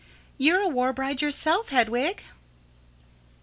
_] You're a war bride yourself, Hedwig.